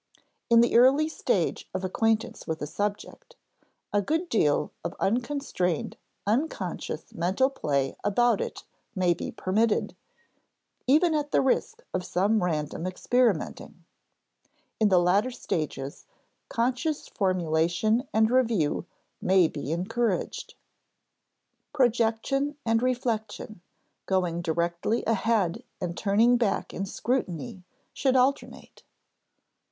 In the early stage of acquaintance with a subject, a good deal of unconstrained unconscious mental play about it may be permitted, even at the risk of some random experimenting; in the later stages, conscious formulation and review may be encouraged. Projection and reflection, going directly ahead and turning back in scrutiny, should alternate.